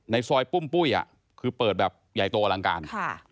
ซอยปุ้มปุ้ยคือเปิดแบบใหญ่โตอลังการ